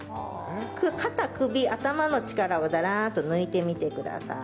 肩、首、頭の力をだらんと抜いてみてください。